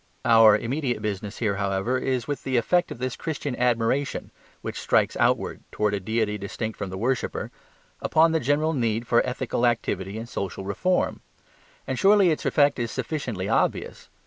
Our immediate business here, however, is with the effect of this Christian admiration (which strikes outwards, towards a deity distinct from the worshipper) upon the general need for ethical activity and social reform. And surely its effect is sufficiently obvious.